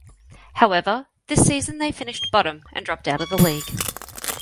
However, this season they finished bottom and dropped out of the League.